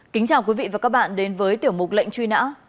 kính chào quý vị và các bạn đến với tiểu mục lệnh truy nã